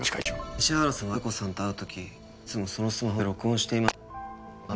西原さんは鮎子さんと会うときいつもそのスマホで録音していました。